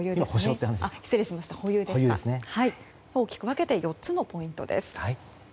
大きく分けて４つのポイントです。